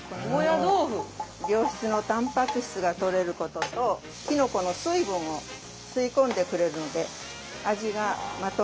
良質のたんぱく質がとれることときのこの水分を吸い込んでくれるので味がまとまります。